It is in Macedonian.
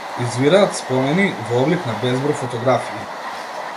Извираат спомени, во облик на безброј фотографии.